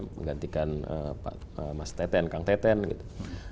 menggantikan mas teten kang teten gitu